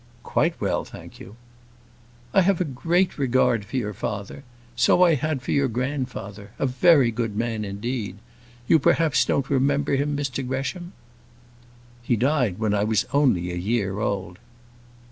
"Quite well, thank you." "I have a great regard for your father. So I had for your grandfather; a very good man indeed. You, perhaps, don't remember him, Mr Gresham?" "He died when I was only a year old."